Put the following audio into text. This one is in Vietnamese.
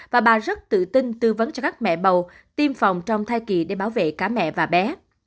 và bà rất tự tin tư vấn cho các mẹ bầu tiêm phòng trong thai kỳ để bảo vệ cả mẹ và bé